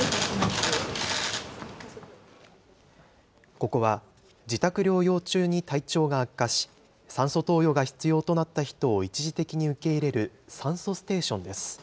ここは、自宅療養中に体調が悪化し、酸素投与が必要となった人を一時的に受け入れる酸素ステーションです。